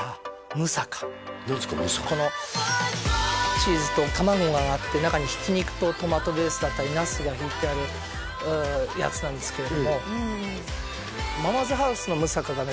ムサカこのチーズと卵があって中にひき肉とトマトベースだったりナスがひいてあるやつなんですけれどもママズハウスのムサカがね